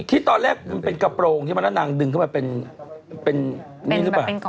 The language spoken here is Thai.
ที่ตอนแรกเป็นกระโปรงที่มันนางดึงเข้ามาเป็นนี่หรือเปล่า